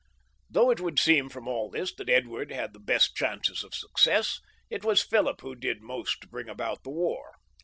Though it would seem from all this that Edward had the best chances of success, it was Philip who did most to bring about the war.